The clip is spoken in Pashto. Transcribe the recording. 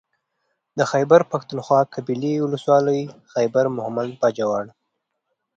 د خېبر پښتونخوا قبايلي ولسوالۍ خېبر مهمند باجوړ